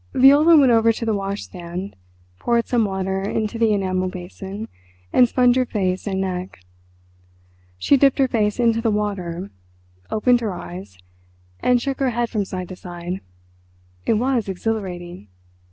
Viola went over to the washstand, poured some water into the enamel basin, and sponged her face and neck. She dipped her face into the water, opened her eyes, and shook her head from side to side—it was exhilarating.